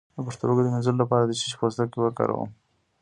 د پښتورګو د مینځلو لپاره د څه شي پوستکی وکاروم؟